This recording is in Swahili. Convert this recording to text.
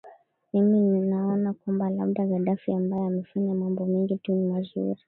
mimi ninaona kwamba labda gaddaffi ambaye amefanya mambo mengi tu mazuri